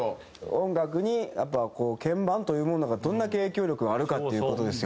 音楽にやっぱこう鍵盤というものがどれだけ影響力があるかっていう事ですよ。